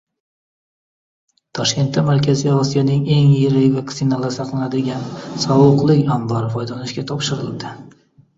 Toshkentda Markaziy Osiyodagi eng yirik vaksinalar saqlanadigan sovuqlik ombori foydalanishga topshirildi